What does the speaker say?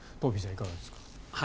いかがですか。